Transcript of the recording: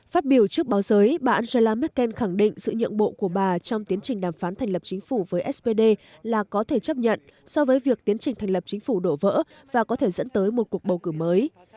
phát biểu trước báo giới bà angela merkel khẳng định sự nhượng bộ của bà trong tiến trình đàm phán thành lập chính phủ với spd là có thể chấp nhận so với việc tiến trình thành lập chính phủ đổ vỡ và có thể dẫn tới một cuộc bầu cử mới